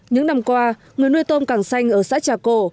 những năm qua người nuôi tôm càng xanh ở xã trà cổ